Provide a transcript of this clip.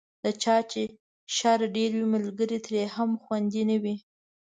د چا چې شر ډېر وي، ملګری یې ترې هم خوندي نه وي.